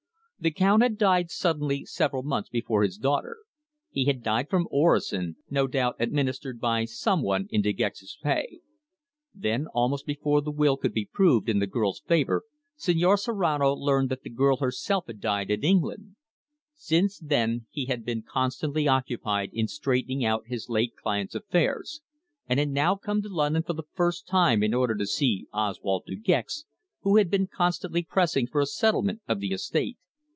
The Count had died suddenly several months before his daughter. He had died from orosin, no doubt administered by someone in De Gex's pay. Then almost before the will could be proved in the girl's favour, Señor Serrano learned that the girl herself had died in England. Since then he had been constantly occupied in straightening out his late client's affairs, and had now come to London for the first time in order to see Oswald De Gex, who had been constantly pressing for a settlement of the estate.